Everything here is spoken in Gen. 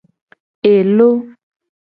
Elo.